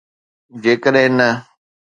جيڪڏهن نه.